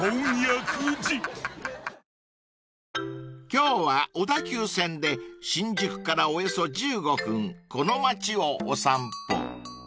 ［今日は小田急線で新宿からおよそ１５分この町をお散歩］